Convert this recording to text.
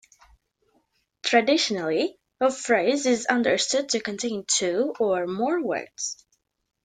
Traditionally, a phrase is understood to contain two or more words.